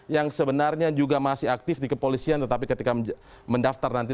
yang sebenarnya juga masih aktif di kepolisian tetapi ketika mendaftar nanti